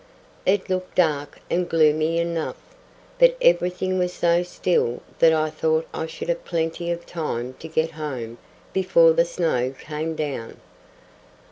It looked dark and gloomy enough; but everything was so still that I thought I should have plenty of time to get home before the snow came down.